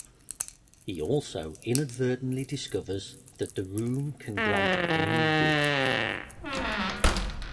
He also inadvertently discovers that the Room can grant any wish.